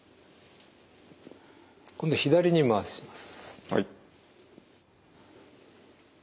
今度左に回します。